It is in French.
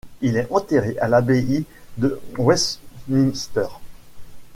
Il est enterré à l'Abbaye de Westminster.